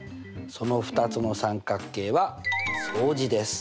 その２つの三角形は相似です。